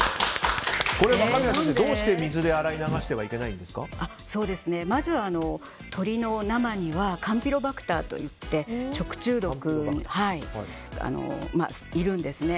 これ、若宮先生どうして水で洗い流してはまず、鶏の生にはカンピロバクターといって食中毒のいるんですね。